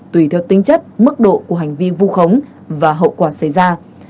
tùy theo tính chất mức độ của hành vi vu khống và hậu quả xảy ra